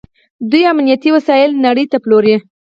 دوی امنیتي وسایل نړۍ ته پلوري.